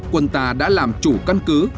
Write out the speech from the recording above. quân ta đã làm chủ căn cứ